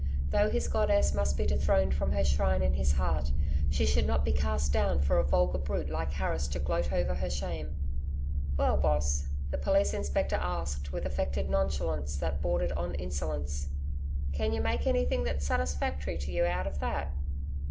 Though his goddess must be dethroned from her shrine in his heart, she should not be cast down for a vulgar brute like Harris to gloat over her shame.... 'Well, Boss,' the Police Inspector asked with affected nonchalance that bordered on insolence. 'Can you make anything that's satisfactory to you out of that?'